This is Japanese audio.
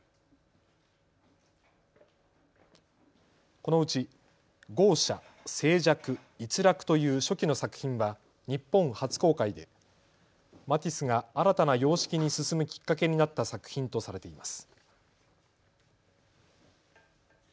このうち豪奢、静寂、逸楽という初期の作品は日本初公開でマティスが新たな様式に進むきっかけになった作品とされています。